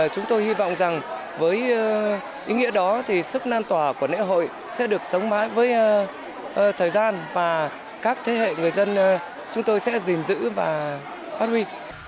chúng tôi hy vọng rằng với ý nghĩa đó thì sức lan tỏa của lễ hội sẽ được sống mãi với thời gian và các thế hệ người dân chúng tôi sẽ gìn giữ và phát huy